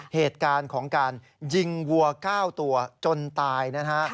เหตุการณ์ของการยิงวัว๙ตัวจนตายนะฮะ